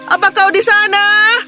apa kau di sana